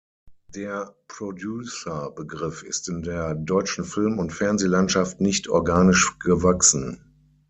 Der "Producer"-Begriff ist in der deutschen Film- und Fernsehlandschaft nicht organisch gewachsen.